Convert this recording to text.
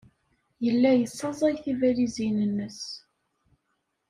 Yella yessaẓay tibalizin-nnes.